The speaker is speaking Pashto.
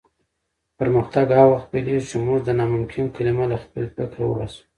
پرمختګ هغه وخت پیلېږي چې موږ د ناممکن کلمه له خپل فکره وباسو.